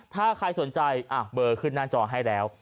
ถ้าใครสนใจเบอร์ขึ้นหน้าจอให้แล้ว